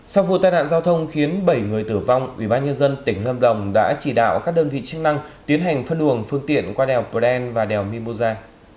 sau vụ tai nạn giao thông khiến bảy người tử vong ubnd tỉnh lâm đồng đã chỉ đạo các đơn vị chức năng tiến hành phân luồng phương tiện qua đèo pren và đèo mimosa